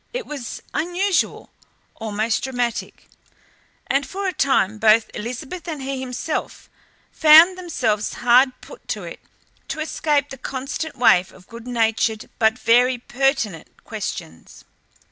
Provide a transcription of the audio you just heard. It was unusual, almost dramatic, and for a time both Elizabeth and he himself found themselves hard put to it to escape the constant wave of good natured but very pertinent questions.